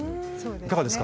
いかがですか？